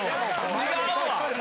違うわ。